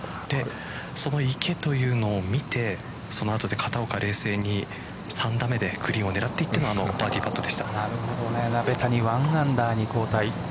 その池というのを見てその後で片岡冷静に３打目でグリーンを狙っていっての鍋谷は１アンダーに後退。